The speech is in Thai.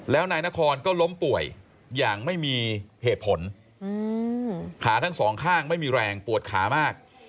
แล้วนายนครก็ล้มป่วยอย่างไม่มีเหตุผลขาทั้งสองข้างไม่มีแรงปวดขามาก